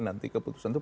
nanti keputusan itu